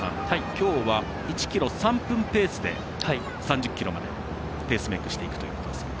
今日は１ｋｍ３分ペースで３０ｋｍまで、ペースメイクしていくということですね。